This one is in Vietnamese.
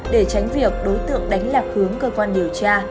để tránh việc đối tượng đánh lạc hướng cơ quan điều tra